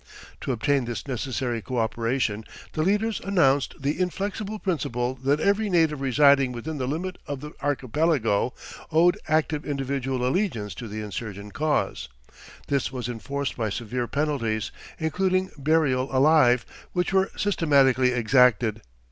] To obtain this necessary coöperation the leaders announced the inflexible principle that every native residing within the limits of the archipelago owed active individual allegiance to the insurgent cause. This was enforced by severe penalties, including burial alive, which were systematically exacted.